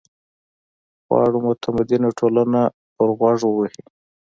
غواړي متدینه ټولنه پر غوږ ووهي.